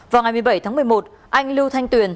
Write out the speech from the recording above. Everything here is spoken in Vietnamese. vào ngày một mươi bảy tháng một mươi một anh lưu thanh tuyền